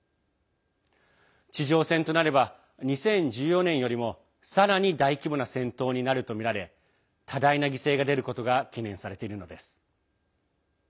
地上戦となれば２０１４年よりもさらに大規模な戦闘になるとみられ多大な犠牲が出ることが懸念されているのです。